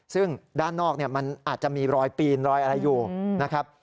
ซึ่งด้านนอกมันอาจจะมีรอยปีนรอยอะไรอยู่นะครับ